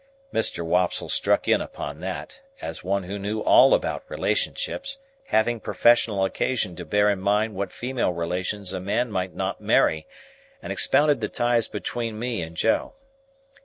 Mr. Wopsle struck in upon that; as one who knew all about relationships, having professional occasion to bear in mind what female relations a man might not marry; and expounded the ties between me and Joe.